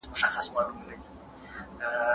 تاسو په پاسته کوچ کې ولې ناست یاست؟